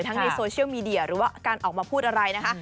ในโซเชียลมีเดียหรือว่าการออกมาพูดอะไรนะคะ